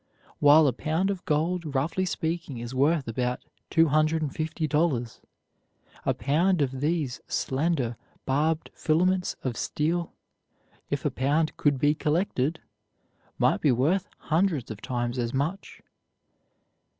While a pound of gold, roughly speaking, is worth about two hundred and fifty dollars, a pound of these slender, barbed filaments of steel, if a pound could be collected, might be worth hundreds of times as much.